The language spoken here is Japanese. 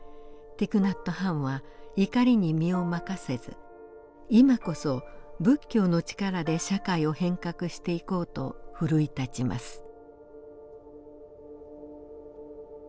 ティク・ナット・ハンは怒りに身を任せず今こそ仏教の力で社会を変革していこうと奮い立ちます。